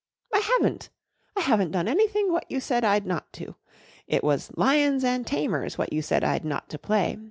"I haven't. I haven't done anything what you said I'd not to. It was 'Lions an' Tamers' what you said I'd not to play.